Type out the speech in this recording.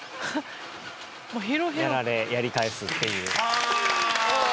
やられやり返すっていう。